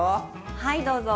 はいどうぞ！